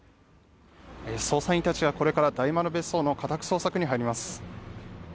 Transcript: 捜査員たちはこれから大丸別荘の家宅捜索に入ります。